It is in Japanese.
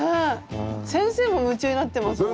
先生も夢中になってますもん。